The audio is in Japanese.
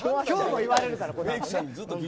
今日も言われるから。